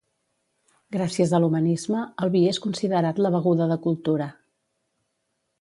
Gràcies a l'humanisme, el vi és considerat la beguda de cultura.